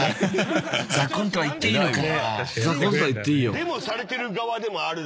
デモされてる側でもあるので。